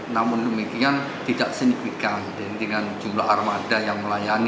namun demikian tidak signifikan dengan jumlah armada yang melayani